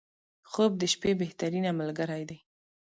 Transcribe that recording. • خوب د شپې بهترینه ملګری دی.